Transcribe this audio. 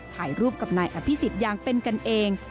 ถ่ายรูปกับนายอภิษฎอย่างเป็นกันเอง